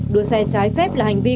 đua xe trái phép là hành vi